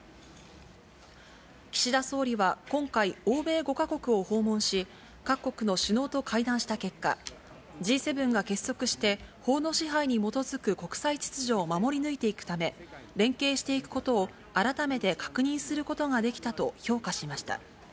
岸田総理は今回、欧米５か国を訪問し、各国の首脳と会談した結果、Ｇ７が結束して法の支配に基づく国際秩序を守り抜いていくため、連携していくことを改めて確認することができたと評価しました。